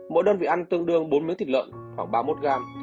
mỗi đơn vị ăn tương đương bốn miếng thịt lợn khoảng ba mươi một g